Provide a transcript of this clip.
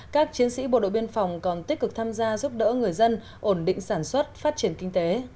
các chiến sĩ bộ đội biên phòng còn tích cực tham gia giúp đỡ người dân ổn định sản xuất phát triển kinh tế